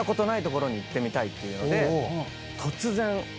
ていうので突然。